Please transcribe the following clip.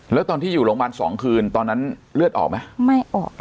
แล้วตอนที่อยู่โรงบาลสองคืนตอนนั้นเลือดออกไหม